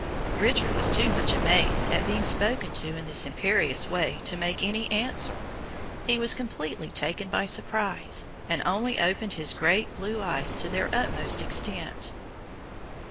Richard was too much amazed at being spoken to in this imperious way to make any answer. He was completely taken by surprise, and only opened his great blue eyes to their utmost extent.